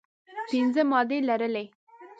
پنځه مادې لرلې.